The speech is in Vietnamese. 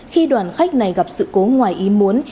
khi đoàn khách này gặp sự cố ngoài ý muốn